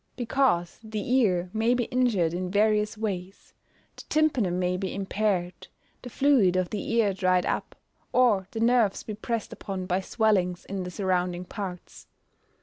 _ Because the ear may be injured in various ways: the tympanum may be impaired, the fluid of the ear dried up, or the nerves be pressed upon by swellings in the surrounding parts.